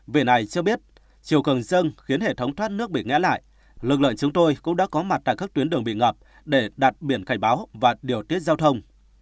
viện này cho biết chiều cầng dâng khiến hệ thống thoát nước bị ngã lại lực lượng chúng tôi cũng đã có mặt tại các chuyến đường bị ngập để đặt biển khảnh báo và điều tiết giao thông